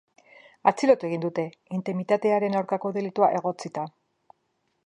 Atxilotu egin dute, intimitatearen aurkako delitua egotzita.